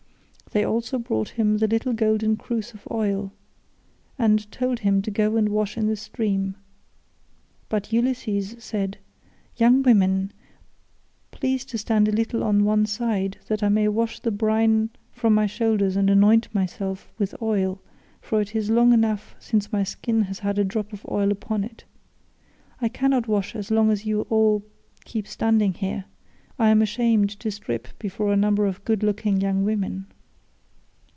They also brought him the little golden cruse of oil, and told him to go and wash in the stream. But Ulysses said, "Young women, please to stand a little on one side that I may wash the brine from my shoulders and anoint myself with oil, for it is long enough since my skin has had a drop of oil upon it. I cannot wash as long as you all keep standing there. I am ashamed to strip56 before a number of good looking young women."